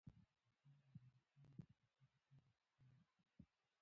د ژوند مهارتونه د هر چا لپاره پکار دي.